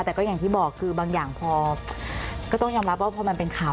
แต่ก็อย่างที่บอกคือบางอย่างพอก็ต้องยอมรับว่าพอมันเป็นข่าว